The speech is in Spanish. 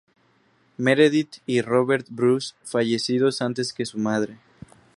Meredith y Robert Bruce fallecidos antes que su madre.